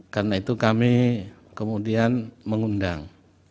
karena itu kami kemudian mengundang